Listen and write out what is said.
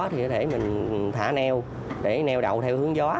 thì có thể mình thả neo để neo đậu theo hướng gió